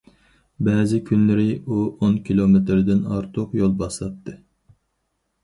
بەزى كۈنلىرى ئۇ ئون كىلومېتىردىن ئارتۇق يول باساتتى.